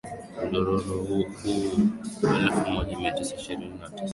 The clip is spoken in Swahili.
Mdodoro mkuu wa mwaka elfumoja miatisa ishirini na tisa